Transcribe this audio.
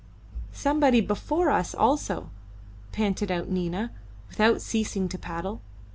"Somebody before us also," panted out Nina, without ceasing to paddle.